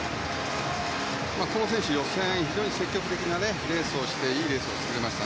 この選手、予選は非常に積極的なレースをしていいレースを作りました。